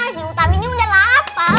si utami ini udah lapar